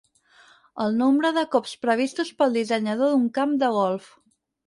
El nombre de cops previstos pel dissenyador d'un camp de golf.